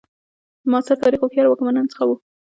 د معاصر تاریخ هوښیارو واکمنانو څخه وو.